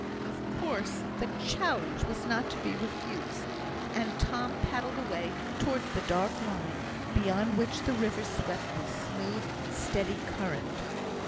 Of course the challenge was not to be refused, and Tom paddled away towards the dark line, beyond which the river swept with smooth, steady current.